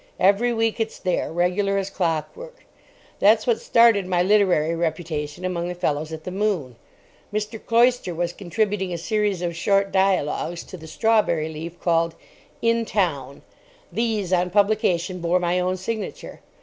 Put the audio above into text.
Every week it's there, regular as clockwork. That's what started my literary reputation among the fellows at the "Moon." Mr. Cloyster was contributing a series of short dialogues to the Strawberry Leaf—called, "In Town." These, on publication, bore my own signature.